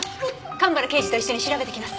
蒲原刑事と一緒に調べてきます。